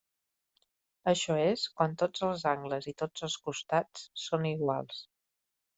Això és, quan tots els angles i tots els costats són iguals.